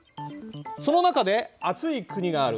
その中で暑い国がある。